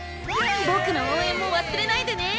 僕の応援も忘れないでね。